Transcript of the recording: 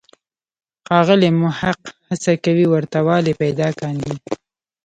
ښاغلی محق هڅه کوي ورته والی پیدا کاندي.